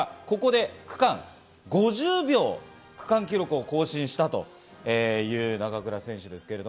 ここで５０秒、区間記録を更新したという中倉選手です。